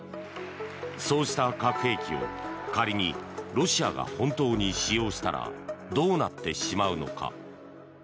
そうした核兵器を仮にロシアが本当に使用したらどうなってしまうのか。